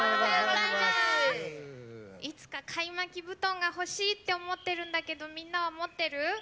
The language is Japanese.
いつかかいまきぶとんがほしいっておもってるんだけどみんなはもってる？